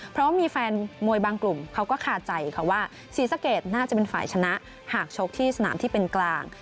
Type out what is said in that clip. เพราะว่ามีแฟนมวยบางกลุ่มเขาก็คาใจค่ะว่าศรีสะเกดน่าจะเป็นฝ่ายชนะหากชกที่สนามที่เป็นกลาง